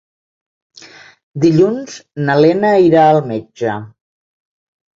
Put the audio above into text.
Dilluns na Lena irà al metge.